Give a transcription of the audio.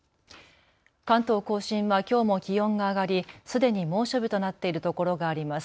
関東甲信はきょうも気温が上がりすでに猛暑日となっているところがあります。